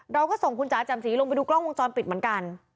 เราก็ส่งคุณจ๋าแจ่มสีลงไปดูกล้องวงจรปิดเหมือนกัน